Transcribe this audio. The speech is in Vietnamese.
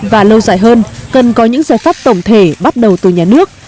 và lâu dài hơn cần có những giải pháp tổng thể bắt đầu từ nhà nước